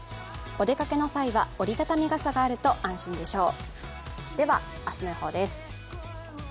お出かけの際は折り畳み傘があると安心でしょう。